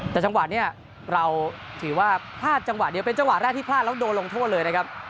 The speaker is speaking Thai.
แต่จังหวะนี้เราถือว่าพลาดจังหวะเดียวเป็นจังหวะแรกที่พลาดแล้วโดนลงโทษเลยนะครับ